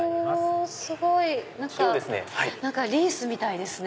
すごい！リースみたいですね。